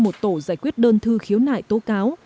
một tổ giải quyết đơn thư khiếu nại tố cáo